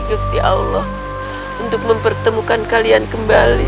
yusti allah untuk mempertemukan kalian kembali